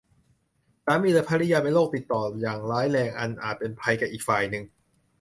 สามีหรือภริยาเป็นโรคติดต่ออย่างร้ายแรงอันอาจเป็นภัยแก่อีกฝ่ายหนึ่ง